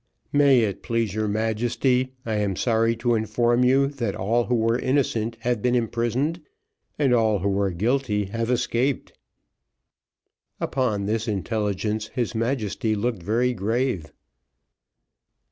"May it please your Majesty, I am sorry to inform you, that all who were innocent have been imprisoned, and all who were guilty, have escaped." Upon this intelligence his Majesty looked very grave.